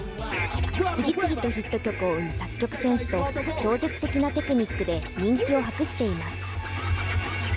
次々とヒット曲を生む作曲センスと、超絶的なテクニックで人気を博しています。